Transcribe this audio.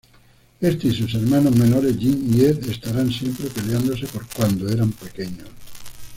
Éste y sus hermanos menores, Jim y Ed, estaban siempre peleándose cuando eran pequeños.